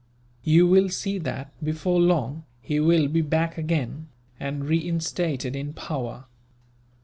You will see that, before long, he will be back again, and reinstated in power.